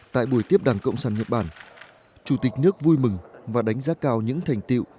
tại buổi tiếp đảng cộng sản nhật bản chủ tịch nước vui mừng và đánh giá cao những thành tiệu